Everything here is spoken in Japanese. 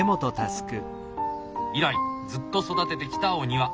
以来ずっと育ててきたお庭。